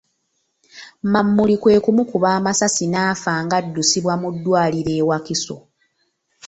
Mamuli kwe kumukuba amasasi n'afa ng'addusibwa mu ddwaliro e Wakiso.